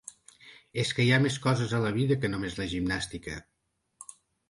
És que hi ha més coses a la vida que només la gimnàstica.